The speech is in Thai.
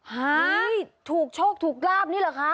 หายถูกโชคถูกลาบนี่เหรอคะ